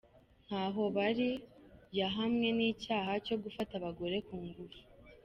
Ntahobali yahamwe n’icyaha cyo gufata abagore ku ngufu.